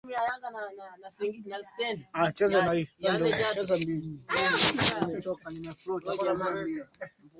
na wakati hayo yanajiri kundi la hes bola limekanusha kuhusika